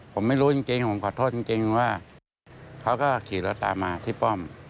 ผมไม่รู้จริงผมขอโทษจริงว่าเขาก็ขี่รถตามมาที่ป้อม